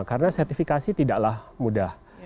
karena sertifikasi tidaklah mudah